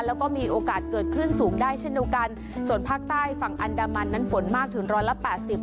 แล้วก็มีโอกาสเกิดคลื่นสูงได้เช่นเดียวกันส่วนภาคใต้ฝั่งอันดามันนั้นฝนมากถึงร้อยละแปดสิบ